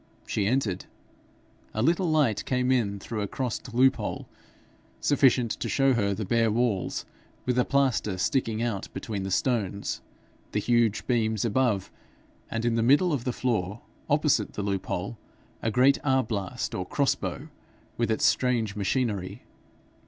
She entered. A little light came in through a crossed loophole, sufficient to show her the bare walls, with the plaster sticking out between the stones, the huge beams above, and in the middle of the floor, opposite the loop hole, a great arblast or crossbow, with its strange machinery.